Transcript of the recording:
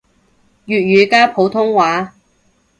粵語加普通話